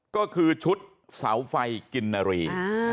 ก็คือชุดเสาไฟกินนารี